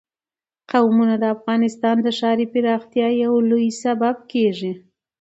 قومونه د افغانستان د ښاري پراختیا یو لوی سبب کېږي.